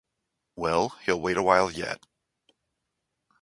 Well, he’ll wait a while yet.